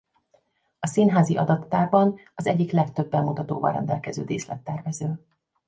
A Színházi Adattárban az egyik legtöbb bemutatóval rendelkező díszlettervező.